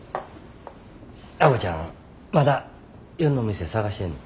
亜子ちゃんまだ夜の店探してんの？